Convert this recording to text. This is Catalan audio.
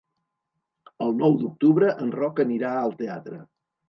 El nou d'octubre en Roc anirà al teatre.